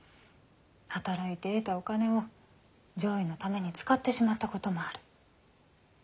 働いて得たお金を攘夷のために使ってしまったこともある。